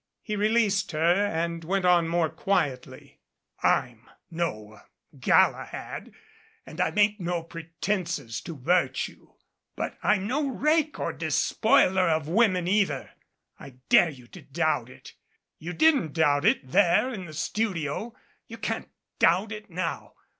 He released her and went on more quietly. "'I'm no Galahad and I make no pretences to virtue, but I'm no rake or despoiler of women either. I dare you to doubt it. You didn't doubt it there in the studio. You can't doubt it now.